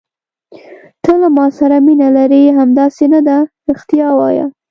ته له ما سره مینه لرې، همداسې نه ده؟ رښتیا وایه.